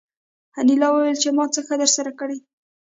انیلا وویل چې ما څه ښه درسره کړي دي